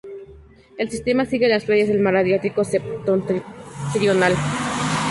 El sistema sigue las playas del mar Adriático septentrional.